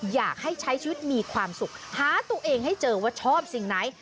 อยากให้ใช้ชีวิตมีความสุขหาตัวเองให้เจอว่าชอบสิ่งไหน